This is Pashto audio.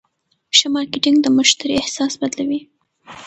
ښه مارکېټنګ د مشتری احساس بدلوي.